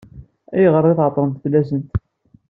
Ayɣer i tɛeṭṭlemt fell-asent?